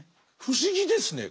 不思議ですね。